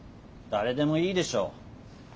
誰でもいいでしょ。